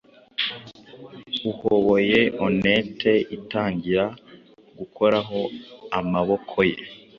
uhoboyeonnet itangira gukoraho-amaboko ye